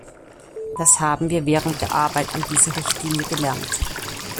Das haben wir während der Arbeit an dieser Richtlinie gelernt.